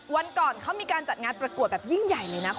วันก่อนเขามีการจัดงานประกวดแบบยิ่งใหญ่เลยนะคุณ